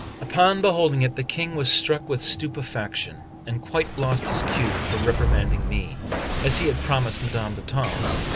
Upon beholding it, the King was struck with stupefaction, and quite lost his cue for reprimanding me, as he had promised Madame d'Etampes.